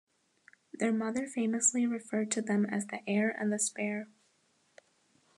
Their mother famously referred to them as "the heir and the spare".